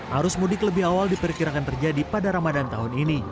arus mudik lebih awal diperkirakan terjadi pada ramadan tahun ini